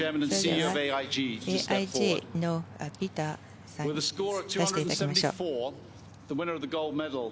ＡＩＧのピーターさんに渡していただきましょう。